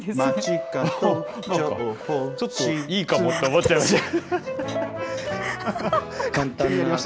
ちょっといいかもって思っちゃいました。